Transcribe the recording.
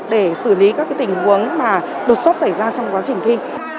để xử lý các cái tình huống mà đột sót xảy ra trong quá trình thi